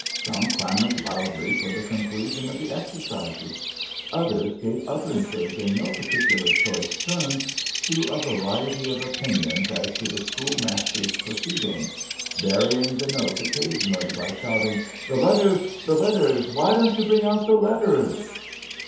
Some clamored loudly for the conclusion of the exercises; others gave utterances in no particularly choice terms to a variety of opinions as to the schoolmaster's proceedings, varying the note occasionally by shouting, "The letters! the letters! why don't you bring out the letters?"